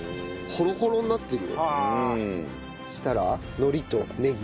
そしたら海苔とネギ。